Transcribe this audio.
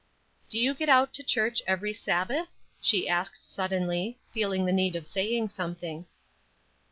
"Do you get out to church every Sabbath?" she asked, suddenly, feeling the need of saying something.